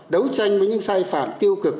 đấu tranh với những sai phạm tiêu cực